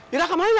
ira kamu ada